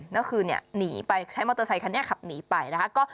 นี่ก็คือนี่หนีไปใช้มอเตอร์ไซค์ขันเนี่ยขับหนีไปได้นะก็